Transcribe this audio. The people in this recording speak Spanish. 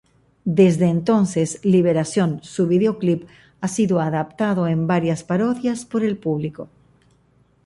Desde entonces liberación, su videoclip ha sido adaptado en varias parodias por el público.